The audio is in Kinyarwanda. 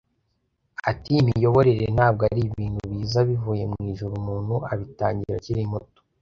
Ati “Imiyoborere ntabwo ari ibintu biza bivuye mu ijuru umuntu abitangira akiri muto